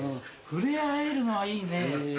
触れ合えるのはいいね。